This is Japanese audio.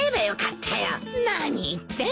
何言ってんの。